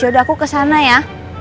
yaudah aku kesana ya